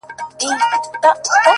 يا الله تې راته ژوندۍ ولره؛